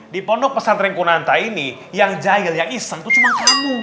di pondok pesantren kunanta ini yang jahil yang iseng itu cuma kamu